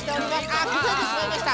あくずれてしまいました。